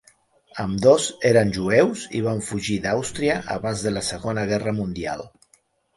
Ambdós eren jueus i van fugir d'Àustria abans de la Segona Guerra Mundial.